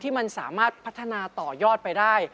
มันสามารถพัฒนาต่อยอดไปได้